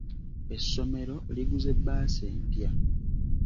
Essomero liguze bbaasi empya.